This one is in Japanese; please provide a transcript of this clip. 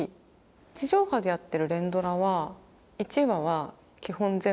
地上波でやってる連ドラは１話は基本全部見る。